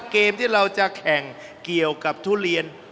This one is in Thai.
เกมที่เราจะแข่งเกี่ยวกับทุเรียน